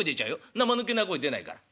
んなまぬけな声出ないから」。